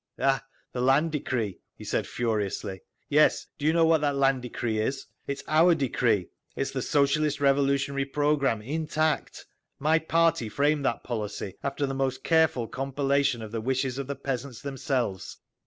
"Ah, the Land decree!" he said furiously. "Yes, do you know what that Land decree is? It is our decree—it is the Socialist Revolutionary programme, intact! My party framed that policy, after the most careful compilation of the wishes of the peasants themselves.